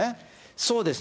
そうですね。